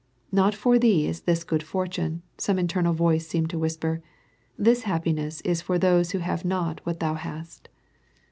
"Not for thee is this good fortune," some internal voice seemed to whisper, "This happiness is for those who have not what thou hast."